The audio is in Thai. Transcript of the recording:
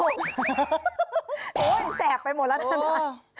โอ้โฮแสบไปหมดแล้วท่าน